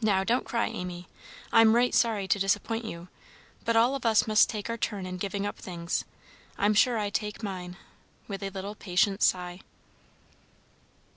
Now, don't cry, Amy. I'm right sorry to disappoint you, but all of us must take our turn in giving up things. I'm sure I take mine," with a little patient sigh.